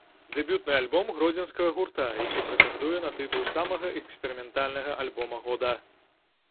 Дэбютны альбом гродзенскага гурта, які прэтэндуе на тытул самага эксперыментальнага альбома года.